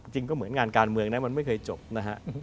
ก็เหมือนงานการเมืองนะมันไม่เคยจบนะฮะ